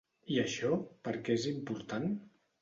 I això per què és important?